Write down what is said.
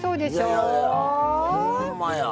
いやいやいやほんまや。